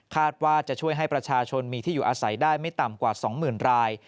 ว่าจะช่วยให้ประชาชนมีที่อยู่อาศัยได้ไม่ต่ำกว่า๒๐๐๐ราย